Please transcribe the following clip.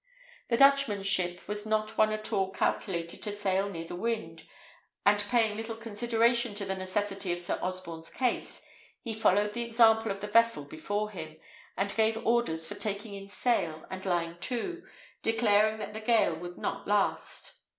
The Dutchman's ship was not one at all calculated to sail near the wind; and paying little consideration to the necessity of Sir Osborne's case, he followed the example of the vessel before him, and gave orders for taking in sail and lying to, declaring that the gale would not last.